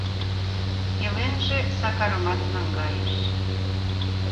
Пеленже Сакарымат наҥгайыш...